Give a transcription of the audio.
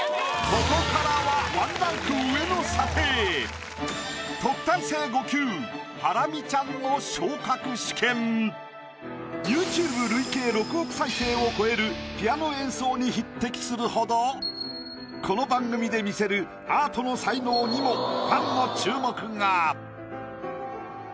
ここからは「ＹｏｕＴｕｂｅ」累計６億再生を超えるピアノ演奏に匹敵するほどこの番組で見せるアートの才能にもファンの注目が。